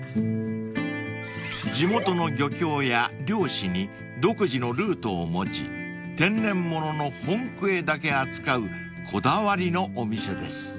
［地元の漁協や漁師に独自のルートを持ち天然物の本クエだけ扱うこだわりのお店です］